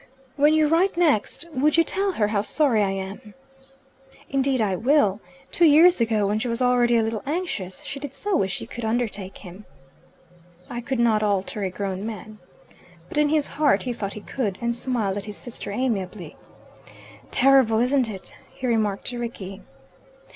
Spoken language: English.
When you write next, would you tell her how sorry I am?" "Indeed I will. Two years ago, when she was already a little anxious, she did so wish you could undertake him. "I could not alter a grown man." But in his heart he thought he could, and smiled at his sister amiably. "Terrible, isn't it?" he remarked to Rickie.